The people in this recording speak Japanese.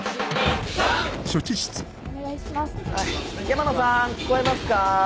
山野さん聞こえますか？